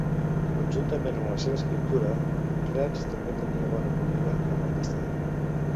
Conjuntament amb la seva escriptura, Reps també tenia bona acollida com artista.